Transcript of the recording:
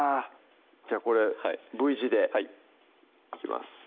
じゃあこれＶ字ではいいきます